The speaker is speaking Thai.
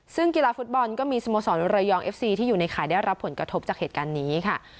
ซึ่งกีฬาฟุตบอลก็มีสโมสรระยองเอฟซีที่อยู่ในข่ายได้รับผลกระทบจากเหตุการณ์นี้ค่ะ